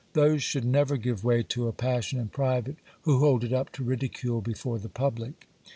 Those should never give way to a passion in private, who hold it up to ridicule before the public.